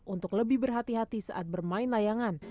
untuk lebih berhati hati saat bermain layangan